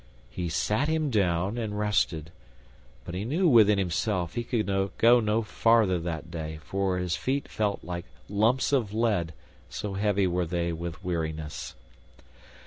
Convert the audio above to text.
He sat him down and rested, but he knew within himself that he could go no farther that day, for his feet felt like lumps of lead, so heavy were they with weariness.